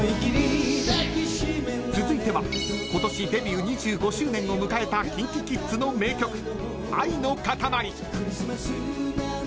続いては今年デビュー２５周年を迎えたＫｉｎＫｉＫｉｄｓの名曲愛のかたまり。